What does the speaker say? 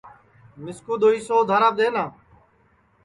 مِسکُو دؔوئی سو اُدھاراپ دؔئنا